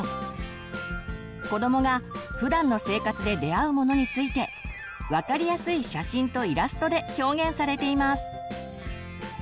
子どもがふだんの生活で出会うものについて分かりやすい写真とイラストで表現されています。